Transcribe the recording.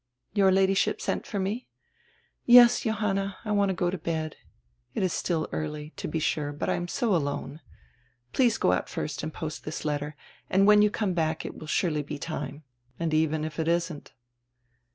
"Your Ladyship sent for me." "Yes, Johanna; I want to go to bed. It is still early, to be sure, but I am so alone. Please go out first and post diis letter, and when you come back it will surely be time. And even if it isn't."